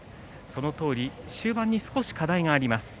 そのとおり終盤に少し課題があります。